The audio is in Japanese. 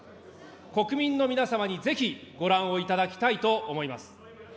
国民の皆様にぜひご覧をいただきたいと思います。